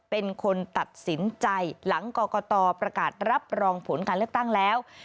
เป็นคนตัดสินใจหลังกรกตประกาศรับรองผลการเลือกตั้งแล้ว